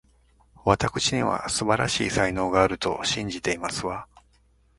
わたくしには、素晴らしい才能があると信じていますわ